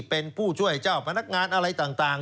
เป็นผู้ช่วยเจ้าพนักงานอะไรต่าง